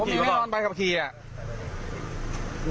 ผมมีแน่นอนไปกับขี่เนี่ย